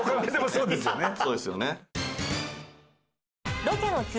そうですよね。はあ？